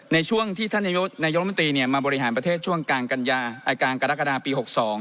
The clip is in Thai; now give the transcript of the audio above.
ในช่วงที่ท่านยอมรัมนตรีมาบริหารประเทศช่วงกรรกฎากรรดาปี๖๒